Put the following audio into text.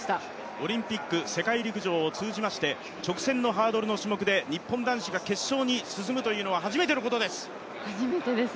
オリンピック、世界陸上を通じまして、直線のハードルの種目で日本男子が決勝に進むというのは初めてのことです。